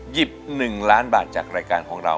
๑ล้านบาทจากรายการของเรา